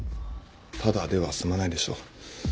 ただでは済まないでしょう。